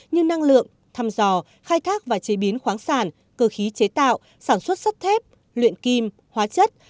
như năng lượng thăm dò khai thác và chế biến khoáng sản cơ khí chế tạo sản xuất sắt thép luyện kim hóa chất